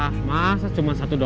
saya mau ngomong soal dik dik